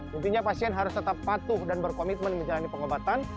intinya pasien harus tetap patuh dan berkomitmen menjalani pengobatan